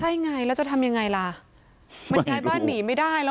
ใช่ไงแล้วจะทำยังไงล่ะมันย้ายบ้านหนีไม่ได้แล้ว